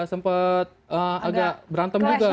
sempat agak berantem juga